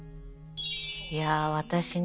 いや私ね